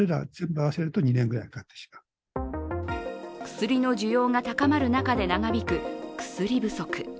薬の需要が高まる中で長引く薬不足。